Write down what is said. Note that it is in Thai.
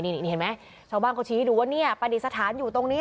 นี่เห็นไหมชาวบ้านเขาชี้ให้ดูว่าเนี่ยปฏิสถานอยู่ตรงนี้